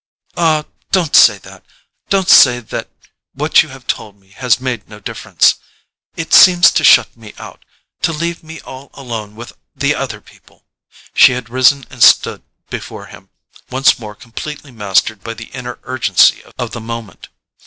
"Ah, don't say that—don't say that what you have told me has made no difference. It seems to shut me out—to leave me all alone with the other people." She had risen and stood before him, once more completely mastered by the inner urgency of the moment.